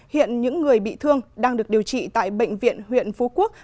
hiện những người bị thương đang được điều trị tại bệnh viện huyện phú quốc